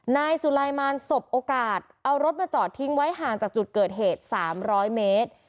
นายสุลายมารสบโอกาสเอารถมาจอดทิ้งไว้ห่างจากจุดเกิดเหตุ๓๐๐เมตร